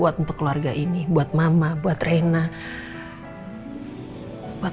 dan terbukti sama dia orangnya baik